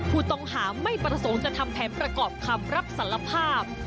ผู้ต้องหาไม่ประสงค์จะทำแผนประกอบคำรับสารภาพ